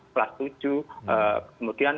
kelas tujuh kemudian